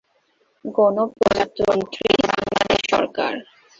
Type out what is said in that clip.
গণপ্রজাতন্ত্রী বাংলাদেশ সরকার।